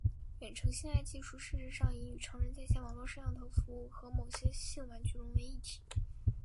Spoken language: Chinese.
远程性爱技术事实上已与成人在线网络摄像头服务和某些性玩具融为一体。